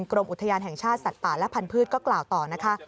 กรมอุทยานแห่งชาติสัตว์ป่าและพันธุ์ก็กล่าวต่อนะคะ